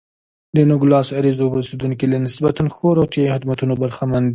د نوګالس اریزونا اوسېدونکي له نسبتا ښو روغتیايي خدمتونو برخمن دي.